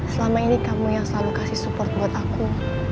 selama ini kamu yang selalu kasih support buat aku